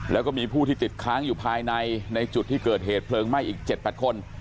แล้วก็มีผู้ที่ติดค้างอยู่ภายในในจุดที่เกิดเหตุเพลิงไหม้อีก๗๘คน